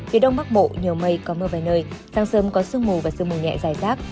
phía đông bắc bộ nhiều mây có mưa vài nơi sáng sớm có sương mù và sương mù nhẹ dài rác